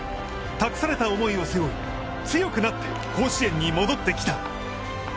託された思いを背負い、強くなって甲子園に戻ってきた。